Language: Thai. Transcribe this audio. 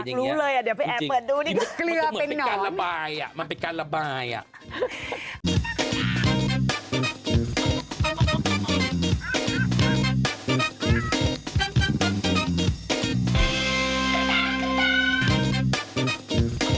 อยากรู้เลยเดี๋ยวไปแอบเปิดดูดิ